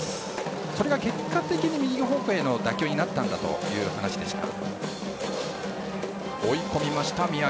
それが結果的に右方向への打球になったんだという話でした。